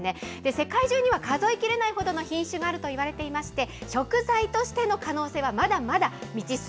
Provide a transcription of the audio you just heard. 世界中には数えきれないほどの品種があるといわれていまして、食材としての可能性はまだまだ未知数。